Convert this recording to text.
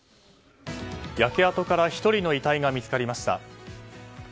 焼け跡から１人の遺体が見つかりました。